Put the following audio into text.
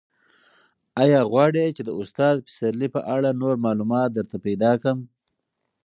ایا غواړې چې د استاد پسرلي په اړه نور معلومات درته پیدا کړم؟